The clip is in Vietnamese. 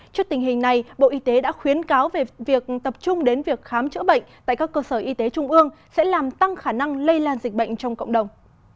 trước tình hình này bộ y tế đã khuyến cáo về việc tập trung đến việc khám chữa bệnh tại các cơ sở y tế trung ương sẽ làm tăng khả năng lây lan dịch bệnh trong cộng đồng